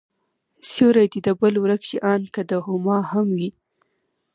سيورى دي د بل ورک شي، آن که د هما هم وي